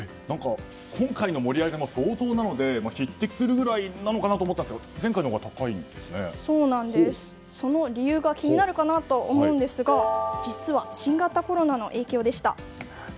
今回の盛り上がりも相当なので匹敵するぐらいなのかなと思ったんですがその理由が気になるかなと思うんですが実は新型コロナの影響でした。